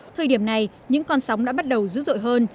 thời điểm này những con sóng đã bắt đầu dữ dội hơn